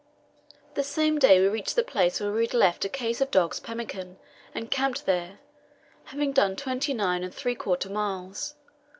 The same day we reached the place where we had left a case of dogs' pemmican, and camped there, having done twenty nine and three quarter miles.